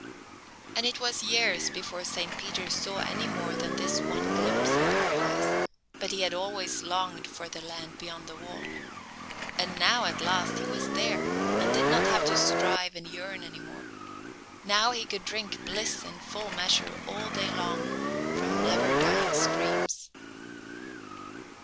And it was years before Saint Peter saw any more than this one glimpse of Paradise; but he had always longed for the land beyond the wall. And now at last he was there, and did not have to strive and yearn any more. Now he could drink bliss in full measure all day long from never dying streams.